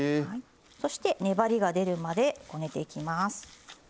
そして粘りが出るまでこねていきます。